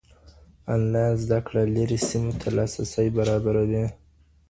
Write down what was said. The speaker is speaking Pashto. انلاين زده کړه لېرې سيمو ته لاسرسی برابروي.